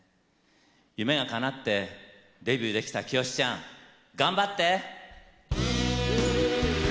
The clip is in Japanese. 夢がかなってデビューできた清ちゃん頑張って！